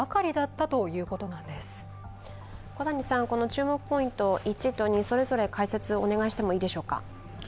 注目ポイント１と２、それぞれ解説をお願いしてもいいでしょうか。